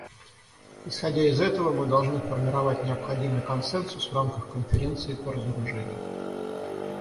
Исходя из этого мы должны формировать необходимый консенсус в рамках Конференции по разоружению.